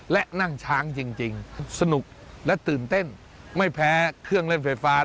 และนั่งช้างจริงสนุกและตื่นเต้นไม่แพ้เครื่องเล่นไฟฟ้า